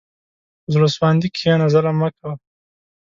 په زړه سواندي کښېنه، ظلم مه کوه.